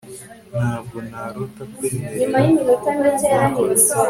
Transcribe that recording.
Ntabwo narota nkwemerera kubikora